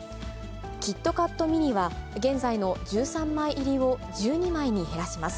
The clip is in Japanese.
キットカットミニは、現在の１３枚入りを１２枚に減らします。